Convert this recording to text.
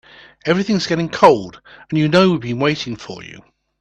Everything's getting cold and you know we've been waiting for you.